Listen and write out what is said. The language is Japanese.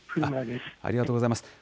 ありがとうございます。